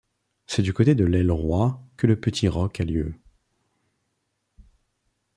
C'est du côté de l'aile roi que le petit roque a lieu.